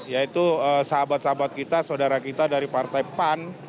yaitu sahabat sahabat kita saudara kita dari partai pan